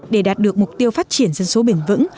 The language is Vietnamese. để đạt được mục tiêu phát triển dân số bền vững